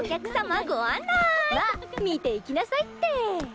まあ見ていきなさいって。